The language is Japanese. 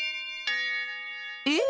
えっ？